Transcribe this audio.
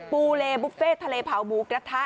ปูเลบุฟเฟ่ทะเลเผาหมูกระทะ